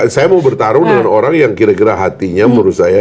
saya mau bertarung dengan orang yang kira kira hatinya menurut saya